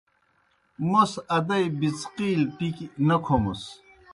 موْس ادَئی بِڅقِیلیْ ٹِکیْ نہ کھومَس۔